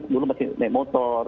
belum masih naik motor